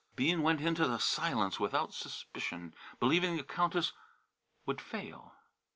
Bean went into the Silence without suspicion, believing the Countess would fail.